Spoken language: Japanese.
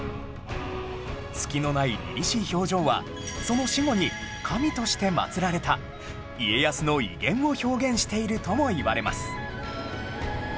隙のないりりしい表情はその死後に神として祭られた家康の威厳を表現しているともいわれます